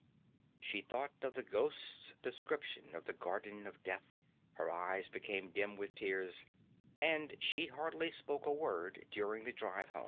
She thought of the ghost's description of the Garden of Death, her eyes became dim with tears, and she hardly spoke a word during the drive home.